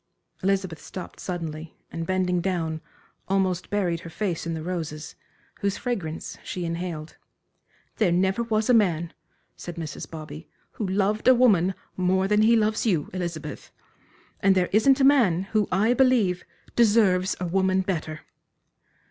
Elizabeth stopped suddenly and bending down, almost buried her face in the roses, whose fragrance she inhaled. "There never was a man," said Mrs. Bobby, "who loved a woman more than he loves you, Elizabeth. And there isn't a man, who, I believe, deserves a woman better."